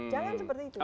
jangan seperti itu